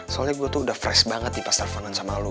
soalnya gue tuh udah fresh banget nih pas telfonan sama lo